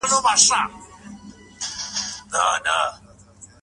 هر کوچنى پنځلس سېبه لري.